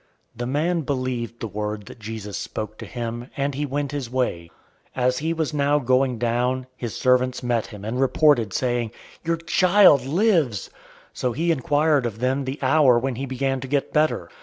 The man believed the word that Jesus spoke to him, and he went his way. 004:051 As he was now going down, his servants met him and reported, saying "Your child lives!" 004:052 So he inquired of them the hour when he began to get better.